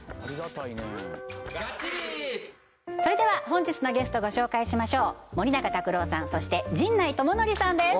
本日のゲストご紹介しましょう森永卓郎さんそして陣内智則さんです